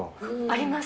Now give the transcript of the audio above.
あります。